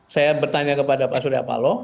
saya bertanya kepada pak suriapala